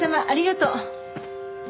ありがとう。